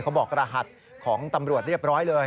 กรบอกรหัสของตำรวจเรียบร้อยเลย